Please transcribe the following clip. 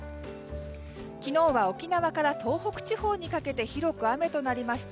昨日は沖縄から東北地方にかけて広く雨となりました。